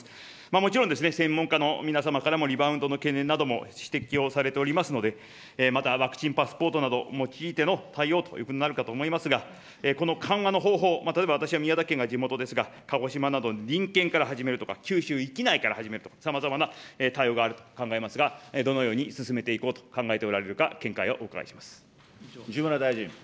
もちろん、専門家の皆様からもリバウンドの懸念なども指摘をされておりますので、またワクチンパスポートなども用いての対応というふうになるかと思いますが、この緩和の方法、例えば私は宮崎県が地元ですが、鹿児島など隣県から始めるとか、九州域内から始めるとか、さまざまな対応があると考えられますが、どのように進めていこうと考えておられるか、見解をお伺いします。